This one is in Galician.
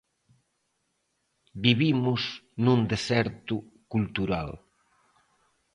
Vivimos nun deserto cultural.